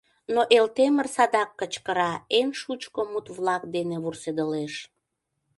Но Элтемыр садак кычкыра, эн шучко мут-влак дене вурседылеш.